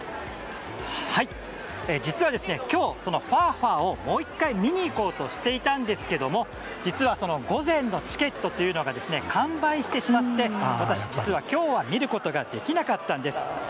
実は今日そのファーファーをもう１回見に行こうとしていたんですけど午前のチケットが完売してしまい私、今日は見ることができなかったんです。